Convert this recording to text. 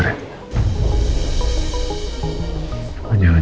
udah kemana dia